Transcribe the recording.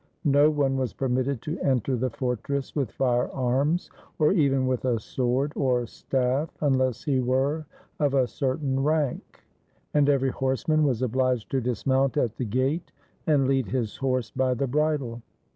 No one was permitted to enter the fortress with fire arms, or even with a sword or staff, unless he were of a certain rank; and every horseman was obliged to dismount at the gate, and lead his horse by the bridle.